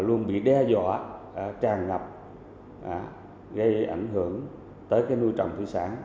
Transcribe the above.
luôn bị đe dọa tràn ngập gây ảnh hưởng tới cái nuôi trồng thủy sản